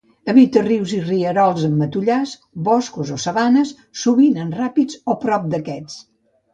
Habita rius i rierols en matollars, boscos o sabanes, sovint en ràpids o prop d'aquests.